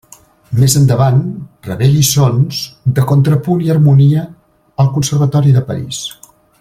Més endavant rebé lliçons de contrapunt i harmonia al Conservatori de París.